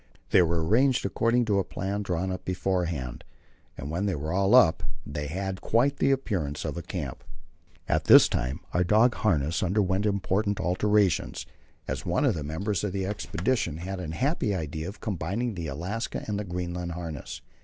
They were arranged according to a plan drawn up beforehand, and when they were all up they had quite the appearance of a camp. At this time our dog harness underwent important alterations, as one of the members of the expedition had the happy idea of combining the Alaska and the Greenland harness.